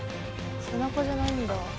背中じゃないんだ。